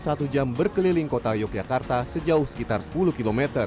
satu jam berkeliling kota yogyakarta sejauh sekitar sepuluh km